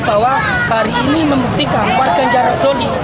bahwa hari ini membuktikan warga jarak doli